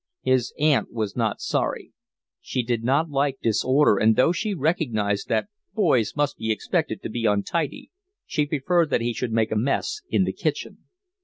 His aunt was not sorry. She did not like disorder, and though she recognised that boys must be expected to be untidy she preferred that he should make a mess in the kitchen.